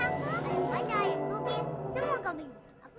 bukit semua kabin